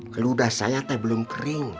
keludah saya teh belum kering